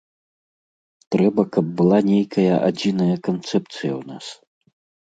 Трэба, каб была нейкая адзіная канцэпцыя ў нас.